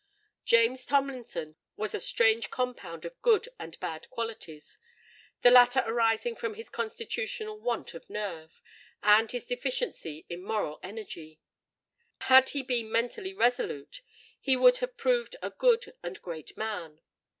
James Tomlinson was a strange compound of good and bad qualities—the latter arising from his constitutional want of nerve, and his deficiency in moral energy. Had he been mentally resolute, he would have proved a good and great man.